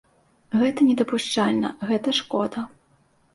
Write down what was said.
Гэта недапушчальна, гэта шкода.